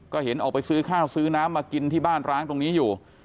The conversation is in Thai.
ก็เห็นออกไปซื้อข้าวซื้อน้ำมากินที่บ้านร้างตรงนี้อยู่